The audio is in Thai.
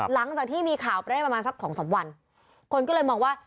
หลังจากที่มีข่าวไปได้ประมาณสักสองสามวันคนก็เลยมองว่า